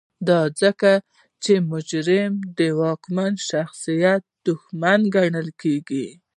دا ځکه چې مجرم د واکمن شخصي دښمن ګڼل کېده.